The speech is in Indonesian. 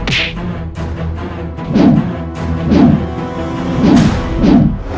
penghasil yang mendirimu